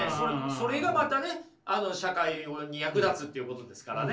それがまたね社会に役立つっていうことですからね。